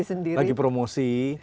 kereta api sendiri